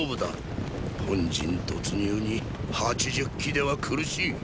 本陣突入に八十騎では苦しい。